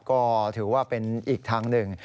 ก็ถือว่าเป็นอีกทางหนึ่ง